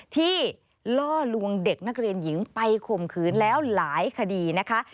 ล่อลวงเด็กนักเรียนหญิงไปข่มขืนแล้วหลายคดีนะคะ